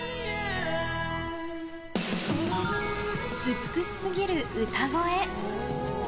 美しすぎる歌声。